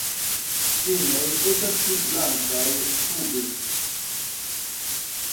Inoj estas pli blankaj sube.